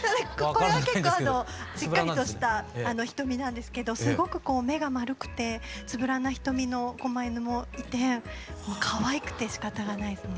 これは結構しっかりとした瞳なんですけどすごくこう目が丸くてつぶらな瞳のこま犬もいてかわいくてしかたがないですね。